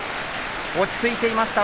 落ち着いていました